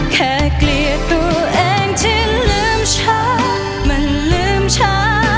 เกลียดตัวเองจึงลืมช้ามันลืมช้า